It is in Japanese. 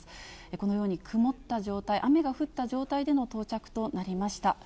このように曇った状態、雨が降った状態での到着となりました。